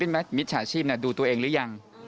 คนนี้มิตรฉาชีพดูตัวเองหรือยัง